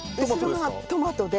後ろがトマトで。